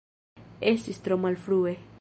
Estis tro malfrue.